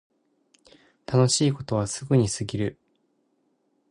楽しいことはすぐに過ぎる